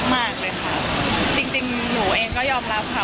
มากเลยค่ะจริงจริงหนูเองก็ยอมรับค่ะ